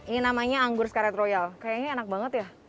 ini namanya anggur skaret royal kayaknya enak banget ya